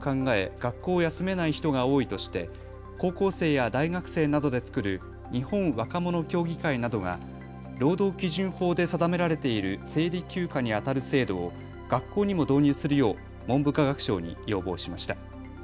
学校を休めない人が多いとして高校生や大学生などで作る日本若者協議会などが労働基準法で定められている生理休暇にあたる制度を学校にも導入するよう文部科学省に要望しました。